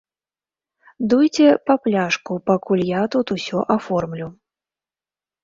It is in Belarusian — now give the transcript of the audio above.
Дуйце па пляшку, пакуль я тут усё аформлю.